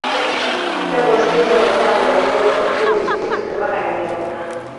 这个新总站每日可处理数十万人流。